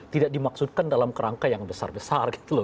tidak dimaksudkan dalam kerangka yang besar besar gitu loh